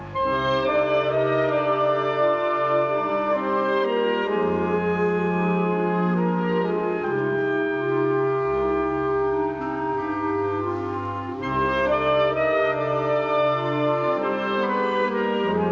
โปรดติดตามต่อไป